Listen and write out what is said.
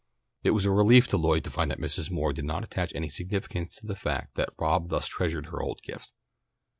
It was a relief to Lloyd to find that Mrs. Moore did not attach any significance to the fact that Rob thus treasured her old gift.